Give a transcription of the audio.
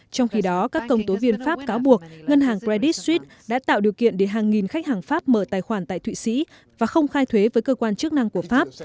trong khi đó các công tố viên pháp cáo buộc ngân hàng bredit street đã tạo điều kiện để hàng nghìn khách hàng pháp mở tài khoản tại thụy sĩ và không khai thuế với cơ quan chức năng của pháp